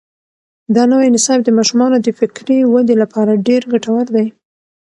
دا نوی نصاب د ماشومانو د فکري ودې لپاره ډېر ګټور دی.